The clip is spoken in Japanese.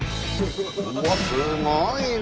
うわっすごいね！